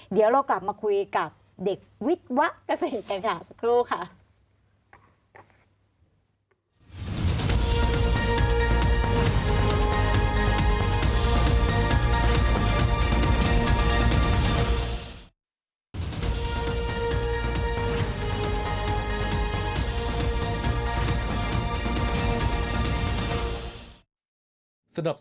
เดี๋ยวกลับมาคุยกับเด็กศึกษาวิกวะกันซักครู่ครับ